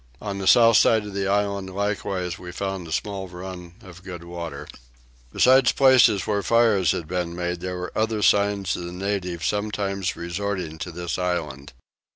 On the south side of the island likewise we found a small run of good water. Besides places where fires had been made there were other signs of the natives sometimes resorting to this island.